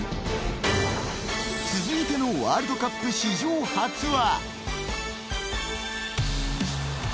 続いてのワールドカップ史上初は。